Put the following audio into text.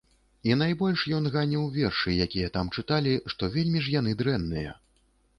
І найбольш ён ганіў вершы, якія там чыталі, што вельмі ж яны дрэнныя.